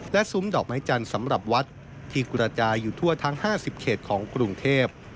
และซุ้มดอกไม้จันทร์สำหรับวัดที่กระจายอยู่ทั่วทั้ง๕๐เขตของกรุงเทพ